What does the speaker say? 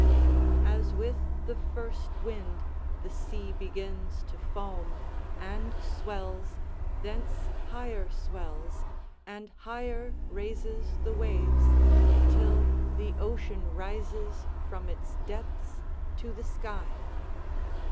["As with the first wind the sea begins to foam, and swells, thence higher swells, and higher raises the waves, till the ocean rises from its depths to the sky."